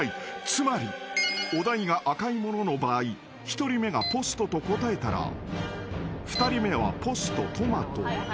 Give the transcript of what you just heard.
［つまりお題が赤いものの場合１人目がポストと答えたら２人目はポストトマト］